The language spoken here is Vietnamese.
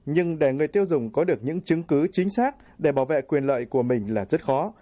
nhưng để người tiêu dùng có được những chứng cứ chính xác để bảo vệ quyền lợi của mình là rất khó